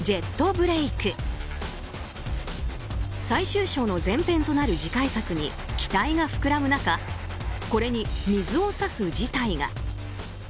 最終章の前編となる次回作に期待が膨らむ中これに水を差す事態が。